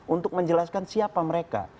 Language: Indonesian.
untuk menjelaskan siapa mereka